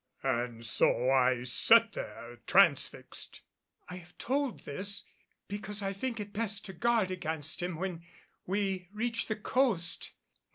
And so I sat there, transfixed. "I have told this because I think it best to guard against him when we reach the coast.